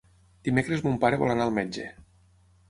Dimecres mon pare vol anar al metge.